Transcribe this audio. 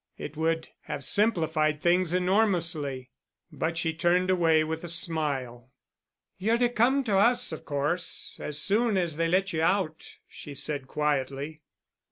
It would have simplified things enormously. But she turned away with a smile. "You're to come to us, of course, as soon as they let you out," she said quietly.